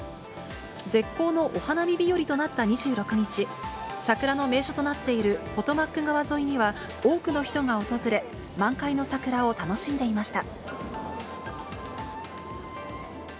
絶好のお花見日和となった２６日、桜の名所となっているポトマック川沿いには、多くの人が訪れ、満開の桜を楽しんでいました。